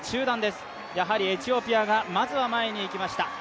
やはりエチオピアが、まず前にいきました。